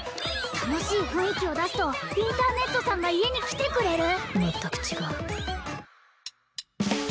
楽しい雰囲気を出すとインターネットさんが家に来てくれる？